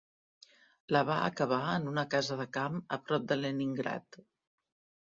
La va acabar en una casa de camp a prop de Leningrad.